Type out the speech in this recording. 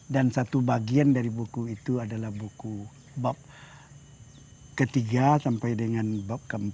dan satu bagian dari buku itu adalah buku bab ketiga sampai dengan bab ke empat